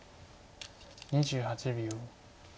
２８秒。